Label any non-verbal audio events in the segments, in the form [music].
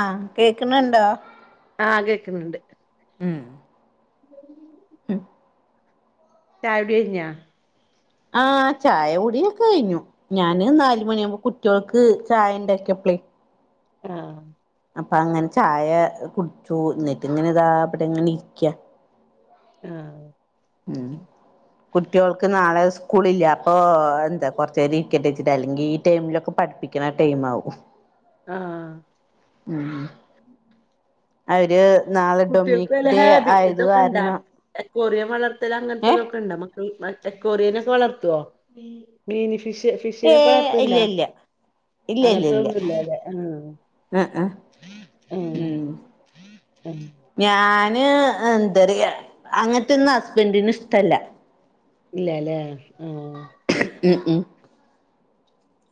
ആഹ് കേക്ക്ണ് ണ്ടോ ആഹ് കേക്കുന്നുണ്ട് ഉം ചായൊടി കഴിഞ്ഞാ ആഹ് ചായ കുടിയൊക്കെ കഴിഞ്ഞു ഞാാന് നാല് മണിയാവുമ്പോ കുട്ട്യോൾക്ക് ചായ ഉണ്ടാക്കിയപ്ലേ ആഹ് അപ്പം അങ്ങനെ ചായ കുടിച്ചു ഇന്നിട്ട് ഇങ്ങനെ ഇതാ അവിടെ ഇങ്ങനെ ഇരിക്കാ ആഹ് ഉം കുട്ട്യോൾക്ക് നാളെ സ്കൂളില്ല അപ്പൊ എന്താ കൊറച്ച നേരം ഇരിക്കട്ടച്ചിട്ടാ അല്ലെങ്കിൽ ഈ ടൈമിലൊക്കെ പഠിപ്പി ക്ക്ണ ടൈംമാവും ആഹ് ഉം അവര് നാളെ ഡൊമിനിക് ഡേ ആയത് കാരണം എക്വറിയം വളർത്തൽ ഏഹ് അങ്ങനത്തെതൊക്കെ ഉണ്ട മക്ക എക്കോറിയനൊക്കെ വളർത്തുവോ മീനി ഫിഷ് ഫിഷിനൊക്കെ ഏഹ് ഇല്ല വളർത്തണ്ടാ ഇല്ല അങ്ങനത്തൊതൊന്നും ഇല്ല അല്ലെ ആഹ് ആഹ് ആഹ് ഉം ആഹ് ഞാന് എന്താറയാ അങ്ങനത്തെ ഒന്നും ഹസ്ബന്റിന് ഇഷ്ടല്ല ഇല്ലാലേ ആഹ് ഉം ഉം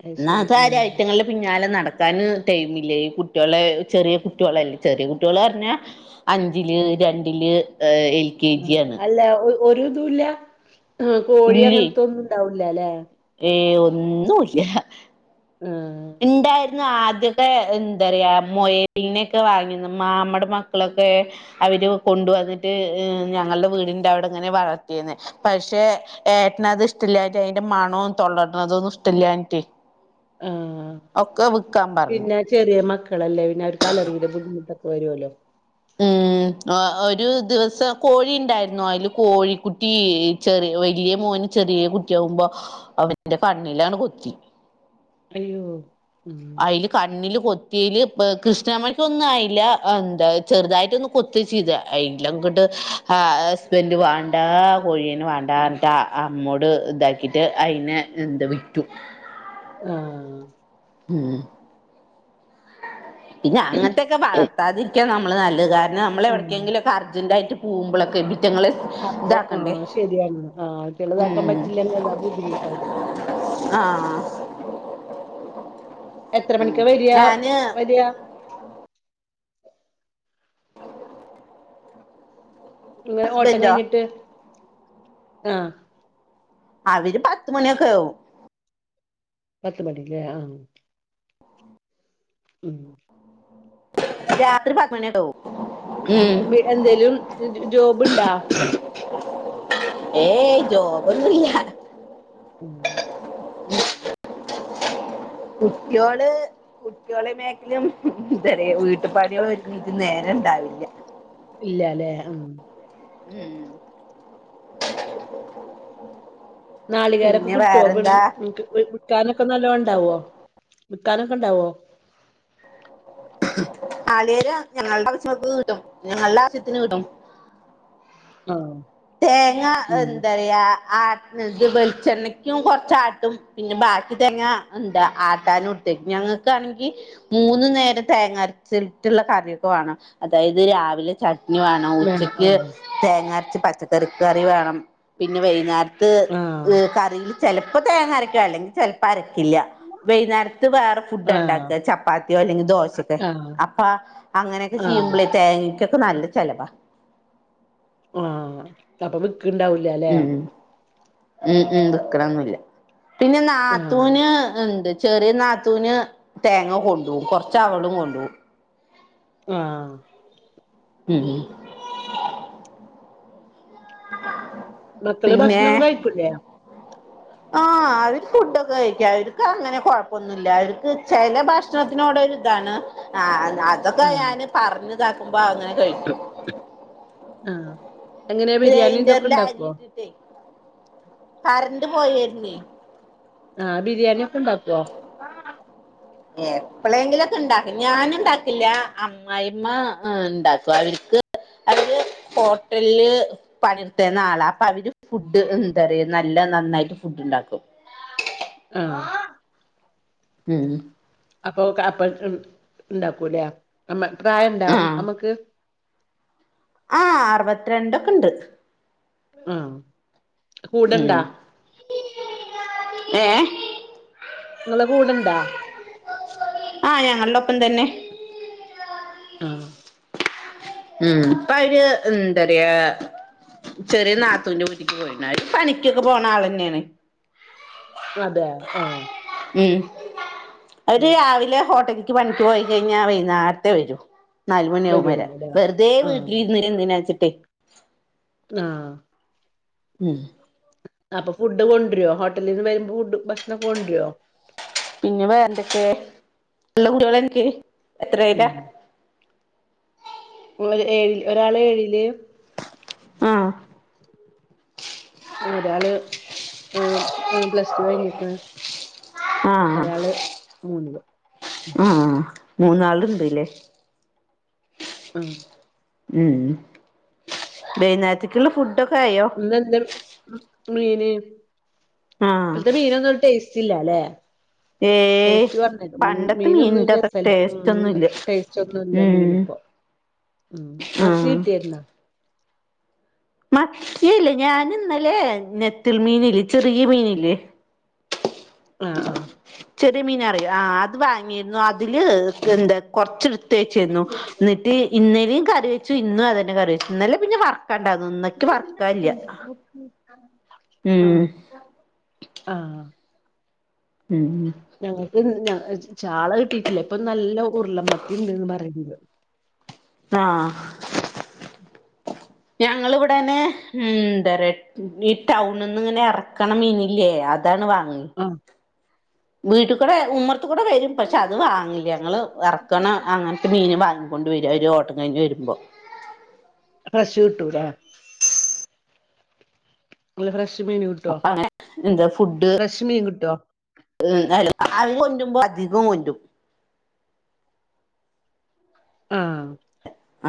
അത് എന്നാ ശരി അതാര ആഹ് ഐറ്റങ്ങളിലും പിന്നാലെ നടക്കാനും ടൈമില്ലേ ഈ കുട്ട്യാളെ ചെറിയ കുട്ട്യോളല്ലേ ചെറിയ കുട്ട്യാള് പറഞ്ഞാ അഞ്ചില് രണ്ടില് എൽ കെ ജി ആഹ് ആണ് അല്ല ഒരിതുല്ല ആഹ് കോഴി അങ്ങനത്തൊന്നും ഇണ്ടാവില്ല അല്ലെ ഏഹ് ഒന്നുല്ല്യ ആഹ് ഇണ്ടായിരുന്നു ആദ്യൊക്കെ എന്താ പറയാ മൊയലിനെ ഒക്കെ വാങ്ങിന്ന് മാമ്മടെ മക്കളൊക്കെ അവര് കൊണ്ടുവന്നിട്ട് ഞങ്ങളുടെ വീടിന്റെ അവിടെ ഇങ്ങനെ വളർത്തിയെന്ന് പക്ഷെ ഏട്ടനത് ഇഷ്ടില്ലായിട്ട് അതിന്റെ മണവും തൊള്ളട്ന്നതൊന്നും ഇഷ്ടില്ലായിട്ട് ആഹ് ഒക്കെ വിൽക്കാൻ പറഞ്ഞു പിന്നെ ചെറിയ മക്കളല്ലേ പിന്ന അവർക്ക് അലർജിടെ ബുദ്ധിമുട്ടൊക്കെ വരുവല്ലോ ഉം ഒരു ദിവസം കോഴിണ്ടായിരുന്നോ അതില് കോഴിക്കുട്ടി ചെറിയ വലിയ മോന് ചെറിയ കുട്ടിയാകുമ്പോ അവന്റെ കണ്ണിലാണ് കൊത്തി അയ്യോ ഉം അയില് കണ്ണില് കൊത്തില് കൃഷ്ണമണിക്ക് ഒന്നും ആയില്ല എന്താ ചെറുതായിട്ടൊന്ന് കൊത്തി ചെയ്ത അയിന് അങ്ങോട്ട് ഹസ്ബന്റ് വേണ്ടാ കോഴിന് വേണ്ടട്ടാ അമ്മോട് ഇതാക്കിട്ട് അയിനെ എന്താ വിറ്റു ആഹ് ഉം പിന്നെ അങ്ങനത്തെക്കെ വളർത്താതിരിക്കാ നമ്മള് നല്ലത് കാരണം ആഹ് നമ്മളെവിടെക്കെങ്കിലും അർജന്റായിട്ട് പോകുമ്പളൊക്കെ ഇവറ്റ്ങ്ങള് അപ്പൊ ആഹ് ശരിയാണ് ആഹ് ഇളുതാക്കാൻ ഉം പറ്റില്ലെന്നല്ലാ ബുദ്ധിമുട്ടാണ് ആഹ് എത്ര മണിക്കാ വരിയാ ഞാന് വരിയാ [inaudible] ഇങ്ങനെ ഓട്ടം ഹസ്ബൻഡോ കഴിഞ്ഞിട്ട് ആഹ് അതിന് പത്ത് മണിയൊക്കെയാവും പത്ത് മണില്ലേ ആഹ് ഉം രാത്രി പത്ത് മണിയൊക്കാവും എന്തേലും ജോബുണ്ടാ ഏയ് ജോബൊന്നില്ല ഉം ഉം [unintelligible] കുട്ട്യോള് കുട്ട്യോളെ മേക്കലും എന്താ പറയാ വീട്ടുപാടികളും ഒഴിഞ്ഞെട്ടെനിക്ക് നേര ഇണ്ടാവില്ല ഇല്ലാല്ലേ ഉം ഉം നാളുകേരൊക്കെ പിന്നെ കിട്ടുവോ വേറെന്താ ഇബടെന്ന് നിങ്ങക്ക് ഇ വിൽക്കാനൊക്കെ നല്ലോ ഇണ്ടാവോ വിൽക്കാനൊക്കെ ഇണ്ടാവോ നാളികേരം ഞങ്ങളുടെ ആവശ്യങ്ങൾക്ക് കിട്ടും ഞങ്ങളുടെ ആവശ്യത്തിന് കിട്ടും ആഹ് തേങ്ങ ഉം എന്താ പറയാ ആട്ടണ് വെളിച്ചെണ്ണക്കും കൊറച്ചാട്ടും പിന്നെ ബാക്കി തേങ്ങ എന്താ ആട്ടാനും ഇട്ടേക്കും ഞങ്ങക്കാണെങ്കി മൂന്നു നേരം തേങ്ങരച്ചിട്ടുള്ള കറിയൊക്കെ വേണം അതായത് രാവിലെ ച വേണം ഉച്ചക്ക് തേങ്ങാരച്ച് പച്ചക്കറി വേണം പിന്നെ വൈന്നേ ത്ത് ആഹ് കറിയിൽ ചെലപ്പോ തേങ്ങരക്കും അല്ലെങ്കിൽ ചെ പരക്കില്ല വൈകുന്നേരത്ത് വേറെ ആഹ് ഫുഡാണ്ടാക്കുക ചപ്പാത്തിയോ അല്ലെങ്കിൽ ദോശ ആഹ് അപ്പ അങ്ങനെക്കെ ആഹ് ചെയ്യുമ്പോളെ തേങ്ങക്കൊക്കെ നല്ല ചെലവാ ആഹ് അപ്പ വിക്കിണ്ടാവു ഉം ഉം ഉം വിക്കണൊന്നില്ല പിന്നെ ആഹ് നാത്തൂന് ഇണ്ട് ചെറിയ നാത്തൂന് തേങ്ങ കൊണ്ടുപോവും കൊറച്ച് അവളും കൊണ്ടുപോവും ആഹ് ഉം ആഹ് മക്കള് ഭക്ഷണം കഴിക്കൂലെ ആഹ് അവര് ഫുഡൊക്കെ കഴിക്കും അവർക്ക് അങ്ങനെ കൊഴപ്പൊന്നുല്ല അവർക്ക് ചില ഭക്ഷണത്തിനോട് ഒരിതാണ് ആഹ് അതൊക്കെ ആഹ് ഞാന് പറഞ്ഞതാക്കുമ്പോ അങ്ങനെ കഴിക്കും ആഹ് എങ്ങനെയാ ബിരിയാണിതൊക്കെ ഗ്രൈൻഡറിൽ അരി ഇണ്ടാക്കുവോ ഇട്ടിട്ടേ കറണ്ട് പോയാരുന്നെ ആഹ് ബിരിയാണിക്കെ ഇണ്ടാക്കോ ഏഹ് എപ്പ്ളേങ്കിലൊക്കെ ഇണ്ടാക്ക ഞാനിണ്ടാക്കില്ല അമ്മായിമ്മ ഇണ്ടാക്കും അവര്ക്ക് അതില് ഹോട്ടല്ല് പണിയെട്ത്താന്നാളാ അപ്പ അവര് ഫുഡ് എന്താ റയ്യാ നല്ല നന്നായിട്ട് ഫുഡ് ഇണ്ടാക്കും. ആഹ് ഉം അപ്പൊ അപ്പഴ്ത്ത് ഇണ്ടാക്കൂലെ അമ്മ പ്രായിണ്ടാ ആഹ് അമ്മക്ക് ആഹ് അറുവത്ത് രണ്ടൊക്കണ്ട്. ആഹ് ഉം കൂടെണ്ടാ ഏഹ് ങ്ങളെ കൂടെണ്ടാ ആഹ് ഞങ്ങൾടൊപ്പം തന്നെ ആഹ് ഉം ഇപ്പോ അവര് എന്താ റ്യാ ചെറിയ നാത്തൂന്റെ വീട്ടിക്ക് പോയീണ്. അവര് പണിക്കൊക്കെ പോണ ആളെന്നേണ്. അതെ ആഹ് ഉം അവര് ഉം രാവിലെ ഹോട്ടലിക്ക് പണിക്ക് പോയി കഴിഞ്ഞാ വൈന്നാര്ത്തെ വരൂ. നാലു മണിയാവും വരാൻ. വരുള്ളൂല്ലേ വെറ്തെ ആഹ് വീട്ടില് ഇരുന്ന എന്തിനാച്ചിട്ടെ ആഹ് ഉം അപ്പൊ ഫുഡ് കൊണ്ട്രോ ഹോട്ടലിന്ന് വരുമ്പോ ഫുഡ് ഭക്ഷണൊക്കെ കൊണ്ട്രോ? പിന്നെ വേറെന്തൊക്കെ ഇള്ള കുട്ട്യാളാൻക്ക് എത്രയിലാ ഉം ഏഴിൽ ഒരാള് ഏഴില് ആഹ് ഒരാള് പ്ലസ് ടു കഴിഞ്ഞിക്ക്ണ് ആഹ് ഒരാള് മൂന്നില് ആഹ് മൂന്നാള്ണ്ട്ലെ ഉം. ഉം വൈന്നാര്ത്ത്ക്ക്ള്ള ഫുഡൊക്കെ ആയോ? ഇന്ന് എന്ത മീന്? ആഹ് ഇപ്പൽത്ത മീനൊന്നും ഒരു ടേസ്റ്റ് ഇല്ലാ ല്ലേ? ഏയ് ടേസ്റ്റ് [unintelligible] പണ്ടത്തെ മീനൊന്നും മീനിന്റെ അത്ര രസല്ല. ടേസ്റ്റ് ഉം ഒന്നുമില്ല ടേ സ്റ്റൊന്നുംല്ല ഉം മീനിപ്പോ ഉം മത്തി ആഹ് കിട്ടിയര്ന്നാ? മത്തി അല്ല ഞാന് ഇന്നലേ നെത്തിൾ മീനില്ലേ ചെറിയ മീനില്ലേ? അഹ് ആഹ് ചെറിയ മീന അറിയോ? ആ അത് വാങ്ങീര്ന്നു അതില് എന്താ കൊർച്ച് ട്ത്തെച്ചിര്ന്നു. ഇന്ന്ട്ട് ഇന്നലേം കറി വെച്ചു. ഇന്നും അതന്നെ കറി വെച്ചു. ഇന്നലെ പിന്നെ വറു ത്താണ്ടന്നും ഇന്നെക്കി വർക്കാല്ല. ഉം ആഹ് ആഹ്. ഉം ഞങ്ങക്ക്ന്ന് ചാള കിട്ടിയിട്ടില്ല. ഇപ്പ നല്ല ഉരുള മത്തി ഇണ്ട്ന്ന് പറയിണ്ട്. ആഹ് ഞങ്ങള്വിടന്നെ ഉം ന്തറയാ? ഈ ടൗണ്ന്ന്ങ്ങനെ എർക്കണ മീനില്ലേ അതാണ് വാങ്യേ. അഹ് വീട്ട് കൂടെ ഉമ്മർത്ത് കൂടെ വരും. പശേ അത് വാങ്ങില്ല. ഞങ്ങള് എർക്കണ അങ്ങനെ മീന് വാങ്ങിക്കൊണ്ട് വരും. അയിന്റെ ഓട്ടം കഴഞ്ഞ് വരുമ്പോ. ഫ്രഷ് കിട്ടു ലേ ഫ്രഷ് മീന് കിട്ടോ? അപ്പൊ അങ്ങനെ ഫ്രഷ് മീൻ കിട്ടോ? ഉം അത് കൊണ്ട്രുമ്പോ അധികം കൊണ്ട്രും. ആഹ്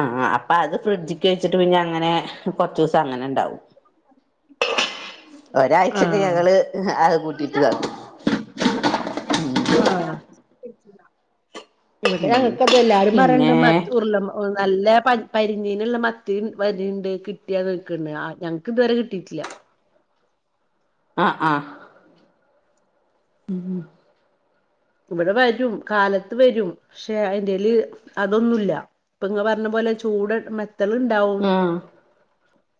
ആഹ് അപ്പ അത് ഫ്രിഡ്ജിക്ക് വെച്ചിട്ട് പിന്നെ അങ്ങനെ കൊർച്ചൂസം അങ്ങനെണ്ടാവും. ഒരാഴ്ചക്ക് ആഹ് ഞങ്ങള് അത് കൂട്ടിയിട്ട് താക്കും. ആഹ് ഇവിടെ ഉം ഞങ്ങക്ക് ത് എല്ലാരും പറയണ്ട പിന്നെ മ ഉരുള ഓഹ് നല്ല പരിഞ്ഞീനുള്ള മത്തി പരിണ്ട് കിട്ടിയാ നെക്കണ്ട് ആഹ് ഞങ്ങക്ക് ഇതുവരെ കിട്ടിയിട്ടില്ല. ആഹ് ആഹ് ഉമ് ഉമ് ഇവിടെ വരും കാലത്ത് വരും പക്ഷെ അയ്ന്റെൽ അതൊന്നുല്ല. ഇപ്പൊ ഇങ്ങ പറഞ്ഞ പോലെ ചൂട് മ ത്തൾണ്ടാവും ആ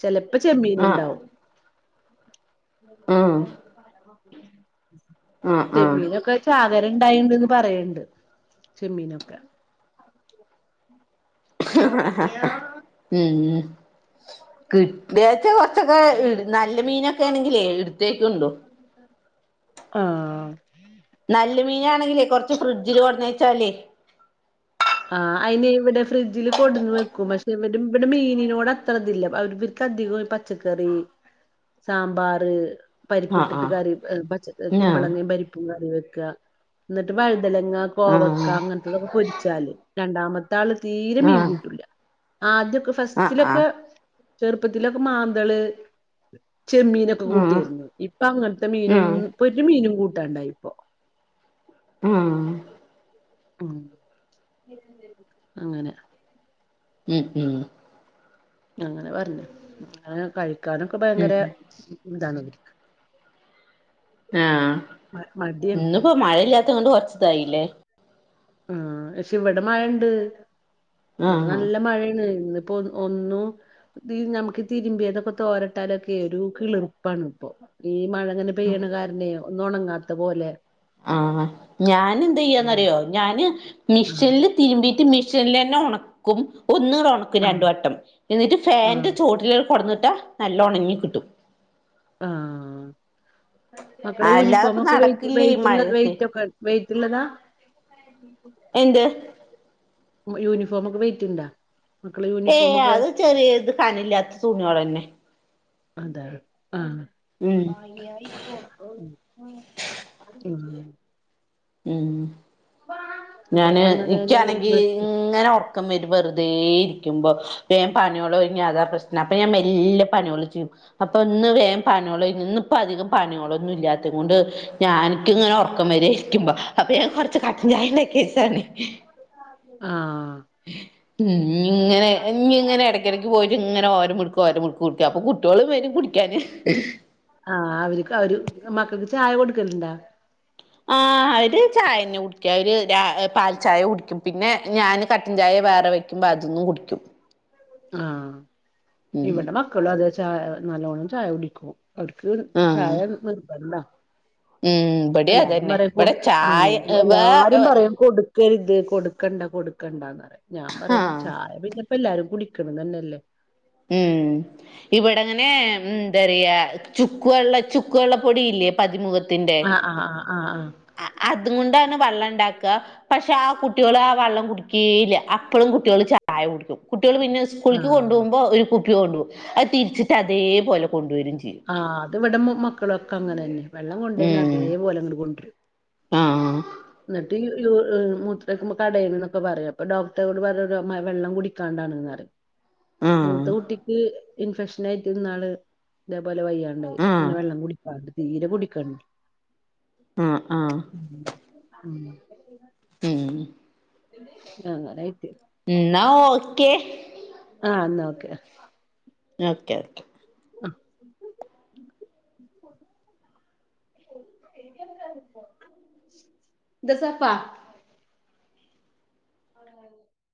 ചെലപ്പോ ചെമ്മീൻ ആ ഉണ്ടാവും. ആ ആ ആ ചെമ്മീനൊക്കെ പകരണ്ടായിണ്ട്ന്ന് പറയണ്ട് ചെമ്മീനൊക്കെ. ഉമ് കിട്ടിയച്ച കൊറച്ചൊക്കെ നല്ല മീനൊക്കെ ആണെങ്കിലേ എടുത്തേക്ക ഉണ്ടോ? ആഹ് നല്ല മീനാണെങ്കിലേ കുറച്ച് ഫ്രിഡ്ജില് കൊടന്നച്ചാല്. ആഹ് അതിനി ഇവിടെ ഫ്രിഡ്ജില് കൊടുന്ന് വെക്കു പക്ഷെ ഇവ ഇവിടെ മീനിനോട് അത്ര ഇതില്ല അവർക്ക് അധികം പ പച്ചക്കറി, സാമ്പാറ്. ആ ആ പരിപ്പിട്ടിട്ട് കറി പച ആ കുമ്പളങ്ങയും പരിപ്പും കറി വെക്ക ന്നിട്ട് വഴുതലങ്ങ ആ കോവക്ക അങ്ങനത്തെതൊക്കെ പൊരിച്ചാല്. രണ്ടാമത്തെ ആള് തീരെ മീൻ ആ കൂട്ടില്ല. ആദ്യൊക്കെ ആ ആ ആ ആ ആ ഫസ്റ്റിലൊക്കെ ചെറുപ്പത്തിലൊക്കെ മാന്തള്. ചെമ്മീനൊക്കെ ഉം കൂട്ടിയിരുന്നു. ഇപ്പൊ അങ്ങനത്തെ മീനൊന്നു ഇപൊ ഒരു മീനും കൂട്ടാണ്ടായി ഇപ്പോ. ആഹ് ഉമ് അങ്ങനെ. ഉമ് ഉമ് അങ്ങനെ പറഞ്ഞു അങ്ങനെ കഴിക്കാനൊക്കെ ഭയങ്കര ഉം ഇതാണ് ആഹ് മ മടിയാണ് ഇന്നിപ്പോ മഴയില്ലാത്ത കൊണ്ട് കുറച്ചിതായി ല്ലേ അഹ് പക്ഷെ ഇവിടെ മഴ ഇണ്ട് ഇവിടെ ആഹ് നല്ല മഴാണ് ഇന്ന് പോ ഓഹ് ഒന്നു ഈ നമുക്ക് തിരുമ്പിയതൊക്കെ തോരട്ടാലൊക്കെ ഒരു കിളർപ്പാണ് ഇപ്പൊ ഈ മഴങ്ങനെ പീണുകാരനെ ഒന്ന് ഉണങ്ങാത്ത പോലെ ആഹ് ഞാൻ എന്ത് ഉം ചെയ്യാന്ന്റിയോ ഞാന് ആഹ് മിഷൻല് തിരുമ്പീട്ട് മിഷനില് തന്നെ ഉണക്കും ഒന്നൂട ഉണക്കും ആഹ് രണ്ടു വട്ടം എന്നിട്ട് ഫാന്റെ ആഹ് ചോട്ടില് കൊണ്ടന്നിട്ടാ നല്ല ഉണങ്ങി കിട്ടും ആഹ് മക്കള അല്ലാതെപ്പ യൂണിഫോമൊക്ക വെയിറ്റ് നടക്കില്ലേ ഈ വെയ്റ്റുള്ള മഴയത്ത് വെറ്റ് ഒക്ക വെയിറ്റുള്ളതാ എന്ത് യൂണിഫോമൊക്കെ വെയ്റ്റുണ്ടാ ഏയ് അത് ചെറിയ ഇത് കനയില്ലാത്ത തുണിയോളന്നെ അതാണ് ഉം അഹ് അഹ് [unintelligible] ഉമ് ഇവിടെ ഞാന് ഇക് ആണെങ്കി അങ്ങനെന്നെ ഇങ്ങന ക്കം വെരും വെറുതെ ഇരിക്കുബം വേയം പനിയോള് ഒയ്ങ്ങിയ അതാ പ്രശ്നം അപ്പൊ ഞാൻ മെല്ലേ പണിയോള് ചെയ്യും അപ്പൊ ഇന്ന് വേഗം പണിയോളയിഞ്ഞു, ഇന്ന ഇപ്പ അധികം പാനയോളൊന്നും ഇല്ലാത്ത കൊണ്ട് ഞാനിക്ക ഇങ്ങനെ ഉറക്കം വരെ. ക്കുമ്പ അപ്പൊ ഞാൻ കൊറച്ച് കട്ടൻ ചായ കേസാണ് [inaudible] ഉം ഇങ്ങനെ നീ ഇങ്ങനെ ഇടക്കിടക്ക് പോയിട്ട് ഇങ്ങനെ ഓരോ മുറ്ക്ക് ഓരോ മുറുക്ക് കുടിക്കും അപ്പൊ കുട്ടിയോള് വരും കുടിക്കും [unintelligible] ആഹ് അവരിക്ക് അവര് മക്കൾക്ക് ചായ കൊടുക്കലുണ്ടാ ആഹ് അവര് ചായ തന്നെ കുടിക്കും അവര് ര പാൽ ചായ കുടിക്കും പിന്നെ ഞാന് കട്ടൻ ചായ വേറെ വെക്കും [unintelligible] കുടിക്കും ആഹ് ഉം ഇവടെ മക്കളും അത് ചായ നല്ലോണം ചായ കുടിക്കും അവർക്ക് ആഹ് ചായ നിർബന്ധ ഉം ഇബടിം അല്ല അതും അതന്നെ [unintelligible] ഇവിടെ ചായ എല്ലാ വേ എല്ലാരും പറയും കൊട് കരുത് കൊടുക്കണ്ട കൊടുക്കണ്ടാന്ന് പറയും ഞാൻ പറയും ആഹ് ചായ പിന്നെപ്പ എല്ലാരും കുടിക്കണ തന്നല്ലേ ഉം ഇവിടെങ്ങനെ എന്തറിയാ ചുക്കുവെള്ള ചു ക്ക്‌ വെള്ളപ്പൊടിയില്ലേ ആഹ് ആഹ് ആഹ് അ അതും കൊണ്ടാണ് വെള്ളം ഇണ്ടാക്ക പക്ഷെ ആഹ് കുട്ടിയോള് ആ വെള്ളം കുടിക്കേയില്ല അപ്പളും കുട്ടിയോള് ചായ കുടിക്കും കുട്ടികള് പിന്നെ ആഹ് സ്കൂളിക്ക്‌ ആഹ് കൊണ്ടുപോകുമ്പോ ഒരു കുപ്പി കൊണ്ടുപോകും അത് തിരിച്ചിട്ട് അതേപോല കൊണ്ട് വരും ചെയ്യും ആഹ് അത്‌വിടെ മക്കളൊക്കെ അങ്ങന തന്നെ വെള്ളം കൊണ്ട് പോയ്ന ഉം അതേപോലെ ഇങ്ങട് കൊണ്ട് വരും ആഹ് ന്നിട്ട് മൂത്രോയ്ക്കുമ്പോ കടയല് എന്നോക്കെ പറയും അപ്പൊ ഡോക്ടറോട് പറ വെള്ളം കുടിക്കാണ്ടാണെന്ന് പറ മൂത്ത ആഹ് കുട്ടിക്ക് ഇൻഫെക്ഷൻ ആയിട്ടിന്നാള് ഇതേപോലെ വയ്യണ്ടായി അങ്ങനെ ആഹ് വെള്ളം കുടിക്കാണ്ട് തീരെ കുടിക്കാണ്ട് ആഹ് ആഹ് ഉം ഉം ഉം അങ്ങനെ കിട്ടി എന്ന ഓക്കെ ആഹ് എന്നാ ഓക്കെ ഓക്കെ ഓക്കെ അഹ് ന്ത സഫ [unintelligible]